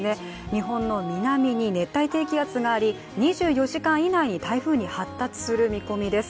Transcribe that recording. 日本の南に熱帯低気圧があり２４時間以内に台風に発達する見込みです。